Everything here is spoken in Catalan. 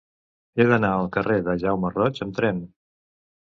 He d'anar al carrer de Jaume Roig amb tren.